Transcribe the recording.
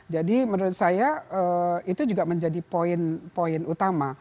jadi menurut saya itu juga menjadi poin poin utama